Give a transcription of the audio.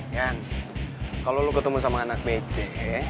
yan kalau lu ketemu sama anak bece